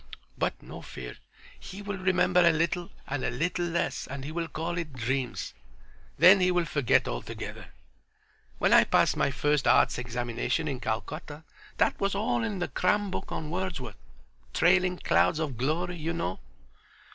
But no fear. He will remember a little and a little less, and he will call it dreams. Then he will forget altogether. When I passed my First Arts Examination in Calcutta that was all in the cram book on Wordsworth. Trailing clouds of glory, you know."